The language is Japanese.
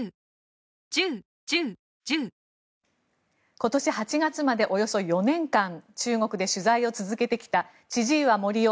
今年８月までおよそ４年間中国で取材を続けてきた千々岩森生